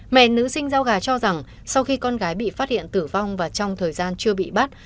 mẹ nữ sinh giao gà cho rằng sau khi con gái bị phát hiện tử vong và trong thời gian chưa bị bắt